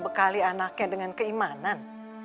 bekali anaknya dengan keimanan